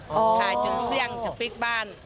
ขายจนเสี้ยงจากบิ๊กบ้าน